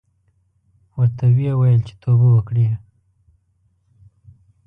ورته ویې ویل چې توبه وکړې.